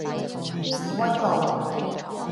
紫葳路